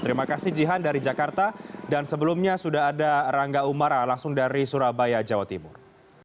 terima kasih jihan dari jakarta dan sebelumnya sudah ada rangga umara langsung dari surabaya jawa timur